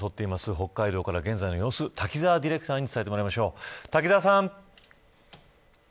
北海道から現在の様子を滝沢ディレクターに伝えてもらいましょう。